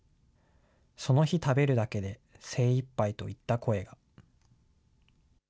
その日食べるだけで精いっぱいといった声が。